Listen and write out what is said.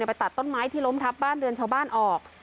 ไปตัดต้นไม้ที่ล้มทับบ้านเรือนชาวบ้านออก